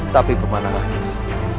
tapi pemanah rasa